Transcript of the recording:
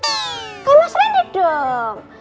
kayak mas randy dong